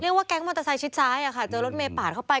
เรียกว่าแก๊งมอเตอร์ไซค์ชิดค่ะเจอรถเมล์ปาดเข้าไป